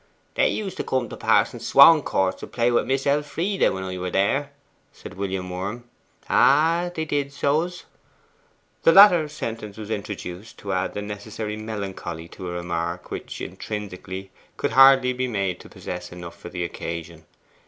'They used to come to Parson Swancourt's to play with Miss Elfride when I were there,' said William Worm. 'Ah, they did so's!' The latter sentence was introduced to add the necessary melancholy to a remark which, intrinsically, could hardly be made to possess enough for the occasion.